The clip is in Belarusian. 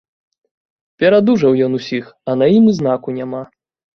Перадужаў ён усіх, а на ім і знаку няма.